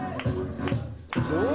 お！